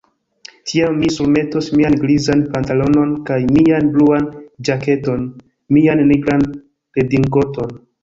Tiam mi surmetos mian grizan pantalonon kaj mian bluan ĵaketon mian nigran redingoton.